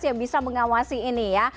yang bisa mengawasi ini ya